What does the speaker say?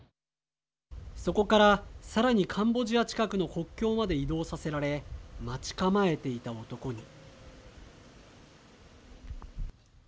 そこから、さらにカンボジア近くの国境まで移動させられ待ち構えていた男に。